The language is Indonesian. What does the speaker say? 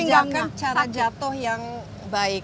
bisa diajarkan cara jatuh yang baik